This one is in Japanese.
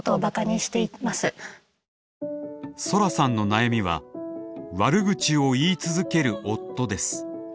ソラさんの悩みは「悪口を言い続ける夫」です。